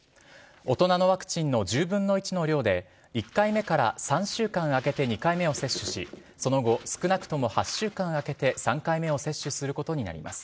大人のワクチンの１０分の１の量で、１回目から３週間空けて２回目を接種し、その後、少なくとも８週間空けて３回目を接種することになります。